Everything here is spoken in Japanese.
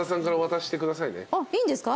いいんですか？